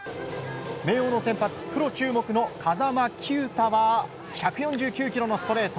明桜の先発プロ注目の風間球打は１４９キロのストレート。